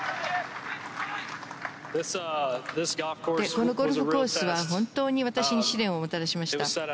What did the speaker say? このゴルフコースは、本当に私に試練をもたらしました。